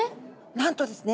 なんとですね